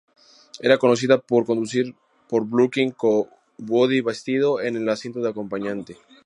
Era conocida por conducir por Brooklyn con Buddy vestido en el asiento de acompañante.